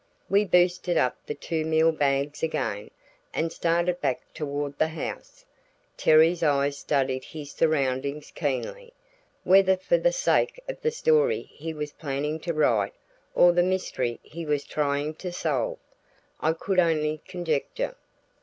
We boosted up the two meal bags again, and started back toward the house. Terry's eyes studied his surroundings keenly, whether for the sake of the story he was planning to write or the mystery he was trying to solve, I could only conjecture.